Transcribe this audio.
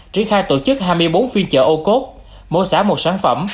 triển khai tổ chức hai mươi bốn phiên chợ ô cốt mô giá một sản phẩm